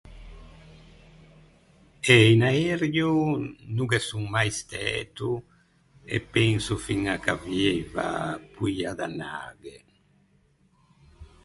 Eh in aereo no ghe son mai stæto e penso fiña ch’avieiva poia d’anâghe.